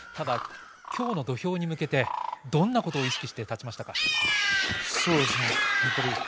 きょうの土俵に向けてどんなことを意識していましたか。